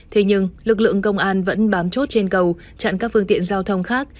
thế nhưng lực lượng công an vẫn bám chốt trên cầu chặn các phương tiện giao thông khác